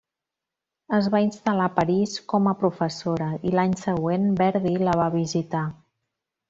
Es va instal·lar a París com a professora, i l'any següent Verdi la va visitar.